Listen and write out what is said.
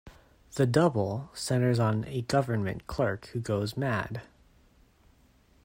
"The Double" centers on a government clerk who goes mad.